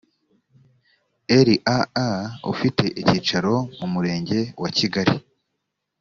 raa ufite icyicaro mu murenge wa kigali